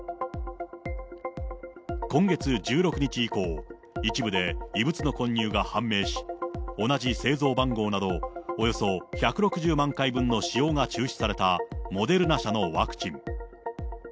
今月１６日以降、一部で異物の混入が判明し、同じ製造番号など、およそ１６０万回分の使用が中止された、モデルナ社のワクチン。